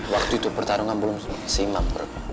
waktu itu pertarungan belum simak